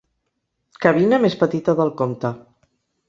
Cabina més petita del compte.